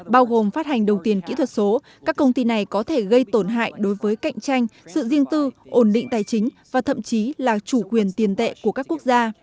bao gồm phát hành đồng tiền kỹ thuật số các công ty này có thể gây tổn hại đối với cạnh tranh sự riêng tư ổn định tài chính và thậm chí là chủ quyền tiền tệ của các quốc gia